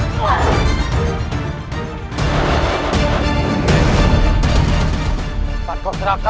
tidak tidak tidak